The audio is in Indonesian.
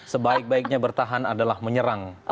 sebaik baiknya bertahan adalah menyerang